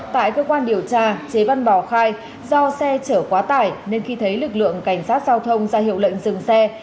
tại cơ quan điều tra chế văn bò khai do xe chở quá tải nên khi thấy lực lượng cảnh sát giao thông ra hiệu lệnh dừng xe